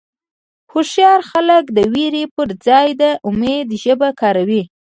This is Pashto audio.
هوښیار خلک د وېرې پر ځای د امید ژبه کاروي.